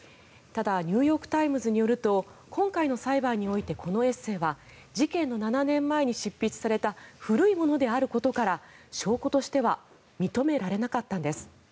ただ、ニューヨーク・タイムズによると今回の裁判においてこのエッセーは事件の７年前に執筆された古いものであることから証拠としては認められなかったんです。